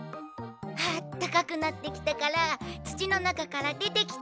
あったかくなってきたからつちのなかからでてきたの。